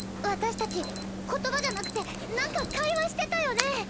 私たち言葉じゃなくて何か会話してたよね？